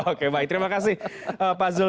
oke baik terima kasih pak zul